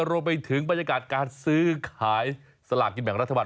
รวมไปถึงบรรยากาศการซื้อขายสลากกินแบ่งรัฐบาล